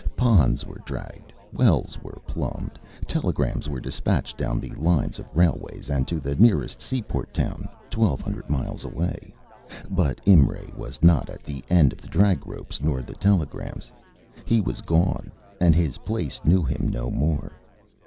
Ponds were dragged, wells were plumbed, telegrams were dispatched down the lines of railways and to the nearest seaport town 1,200 miles away but Imray was not at the end of the drag ropes nor the telegrams. He was gone, and his place knew him no more.